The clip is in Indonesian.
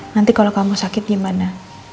nanti kalau kamu sakit gimana